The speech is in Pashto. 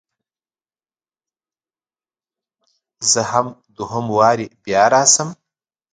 زه دوهم واري بیا راسم؟